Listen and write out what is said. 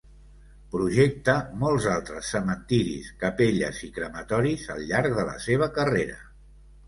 Projecta molts altres cementiris, capelles i crematoris al llarg de la seva carrera.